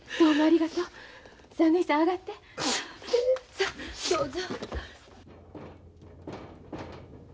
さあどうぞ。